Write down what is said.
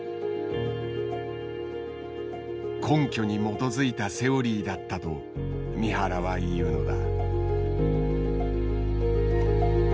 根拠に基づいたセオリーだったと三原は言うのだ。